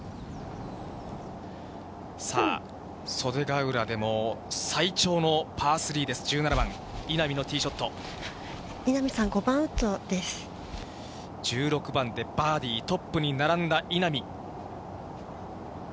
さあ、袖ヶ浦でも最長のパー３です、１７番、稲見さん、１６番でバーディー、トップに並んだ稲見。